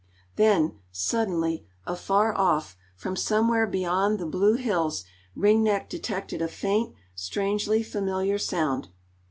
Then, suddenly, afar off, from somewhere beyond the blue hills, Ring Neck detected a faint, strangely familiar sound.